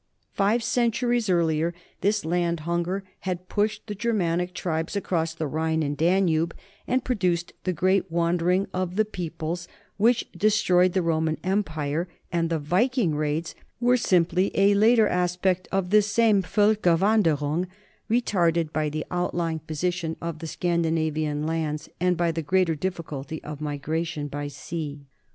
Five centuries ear lier this land hunger had pushed the Germanic tribes across the Rhine and Danube and produced the great wandering of the peoples which destroyed the Roman empire; and the Viking raids were simply a later aspect of this same Volkerwanderung, retarded by the out lying position of the Scandinavian lands and by the greater difficulty of migration by sea.